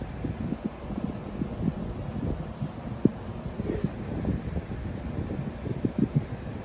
蒙古汗号完泽笃可汗。